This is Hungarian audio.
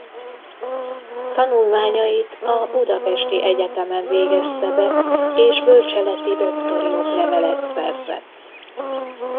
Tanulmányait a budapesti egyetemen végezte be és bölcseleti-doktori oklevelet szerzett.